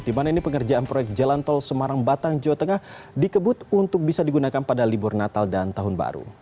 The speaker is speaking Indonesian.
di mana ini pengerjaan proyek jalan tol semarang batang jawa tengah dikebut untuk bisa digunakan pada libur natal dan tahun baru